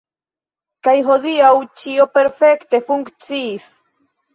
Kaj hodiaŭ ĉio perfekte funkciis.